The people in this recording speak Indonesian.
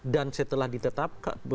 dan setelah ditetapkan